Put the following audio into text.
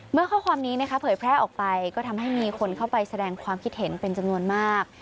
ข้อความนี้นะคะเผยแพร่ออกไปก็ทำให้มีคนเข้าไปแสดงความคิดเห็นเป็นจำนวนมาก